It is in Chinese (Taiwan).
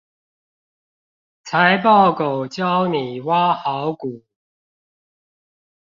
財報狗教你挖好股